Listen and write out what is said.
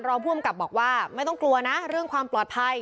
รองผู้อำกับบอกว่าไม่ต้องกลัวนะเรื่องความปลอดภัย